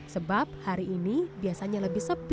sebab hari ini biasanya lebih sepi